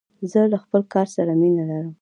زه له خپل کار سره مینه لرم.